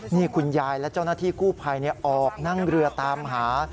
นี่คุณยายและเจ้าหน้าที่กู้ภัยออกนั่งเรือตามหา